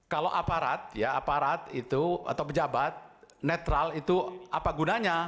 kalau aparat ya aparat itu atau pejabat netral itu apa gunanya